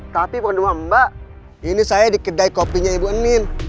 tapi bukan cuma mbak ini saya di kedai kopinya ibu andin